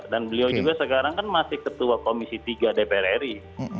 dan beliau juga sekarang kan masih ketua komisi tiga dpr ri